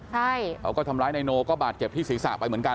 เขาก็ทำร้ายในนูก็บาดเก็บที่ศีรษะไปเหมือนกัน